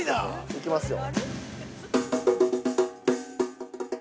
行きますよ。